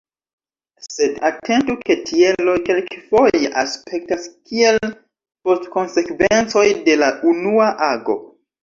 Sed atentu ke tieloj kelkfoje aspektas kiel postkonsekvencoj de la unua ago.